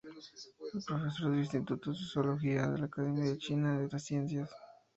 Es profesor del Instituto de Zoología de la Academia China de las Ciencias.